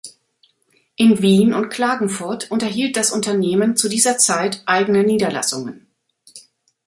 In Wien und Klagenfurt unterhielt das Unternehmen zu dieser Zeit eigene Niederlassungen.